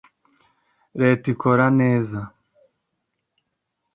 Leta ikora neza